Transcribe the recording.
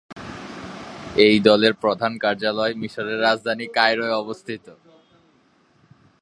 এই দলের প্রধান কার্যালয় মিশরের রাজধানী কায়রোয় অবস্থিত।